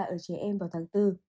ở trẻ em vào tháng bốn